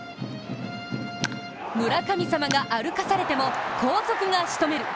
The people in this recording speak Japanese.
村神様が歩かされても後続が仕留める。